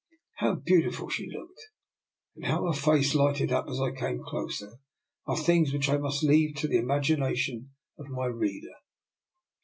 How beauti ful she looked, and how her face lighted up as I came closer, are things which I must leave to the imagination of my reader.